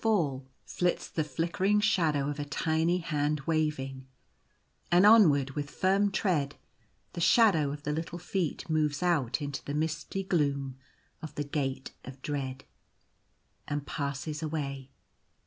T/ie Sailor lad, 83 flits the flickering shadow of a tiny hand waving; and onward, with firm tread, the shadow of the little feet moves out into the misty gloom of the Gate of Dread, and passes away.